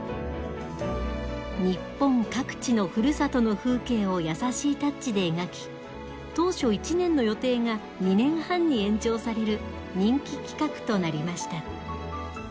日本各地のふるさとの風景を優しいタッチで描き当初１年の予定が２年半に延長される人気企画となりました。